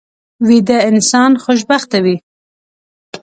ویده انسان خوشبخته وي